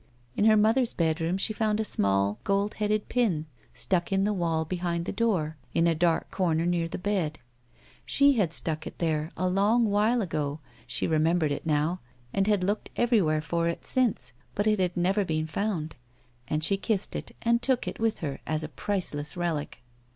In her mother's bedroom she found a small gold headed pin stuck in the wall beliiud the door, in a dark corner near the bed. She had A AYOMAN'S LIFE. 247 stuck it there a long while ago (she remembered it now), and had looked everywhere for it since, but it had never been found ■ and she kissed it and took it with her as a priceless relic.